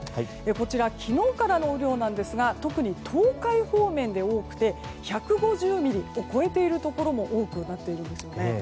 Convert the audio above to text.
こちら昨日からの雨量なんですが特に東海方面で多くて１５０ミリを超えているところも多くなっているんですよね。